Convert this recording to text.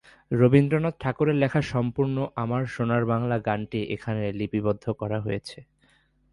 রবীন্দ্রনাথ ঠাকুরের লেখা সম্পূর্ণ "আমার সোনার বাংলা" গানটি এখানে লিপিবদ্ধ করা হয়েছে।